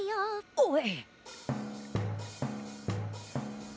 おい！